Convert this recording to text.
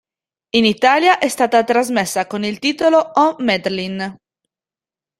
In Italia è stata trasmessa con il titolo "Oh Madeline".